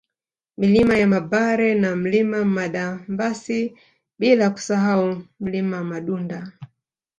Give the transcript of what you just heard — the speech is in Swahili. Milima ya Mabare na Mlima Madambasi bila kusahau Mlima Madunda